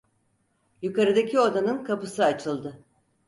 Yukarıdaki odanın kapısı açıldı.